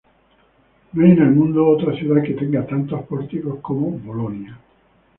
No hay en el mundo otra ciudad que tenga tantos pórticos como Bolonia.